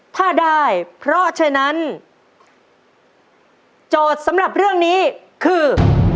ถ้าได้เพราะฉะนั้นโจทย์สำหรับเรื่องนี้คือ